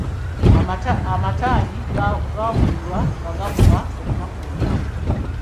Amataali gaawulirwa nga gavuga olunaku lwonna.